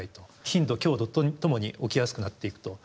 頻度強度ともに起きやすくなっていくと。